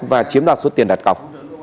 và chiếm đoạt suất tiền đặt cọc